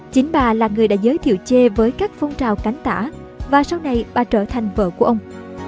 chính bà là người đã giới thiệu ché với các phong trào cánh tả và sau này bà trở thành vợ của ông